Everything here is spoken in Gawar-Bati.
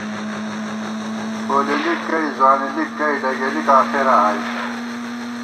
پولېلِک گئی، ځوانېلِک گئی، ڈگېلِک آخېراں آئی